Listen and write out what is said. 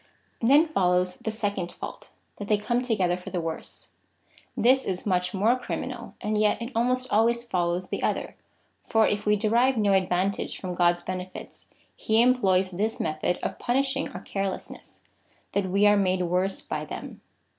Then follows the second fault — that they come together for the worse. This is much more criminal, and yet it almost always follows the other, for if we derive no advantage from God's benefits, he employs this method of punishing our carelessness — that we are made worse by them.